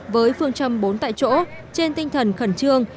với phương châm bốn tại chỗ trên tinh thần khẩn trương